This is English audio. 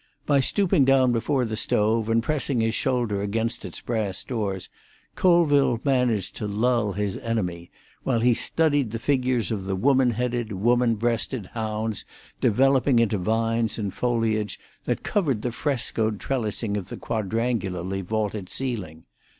By stooping down before the stove, and pressing his shoulder against its brass doors, Colville managed to lull his enemy, while he studied the figures of the woman headed, woman breasted hounds developing into vines and foliage that covered the frescoed trellising of the quadrangularly vaulted ceiling.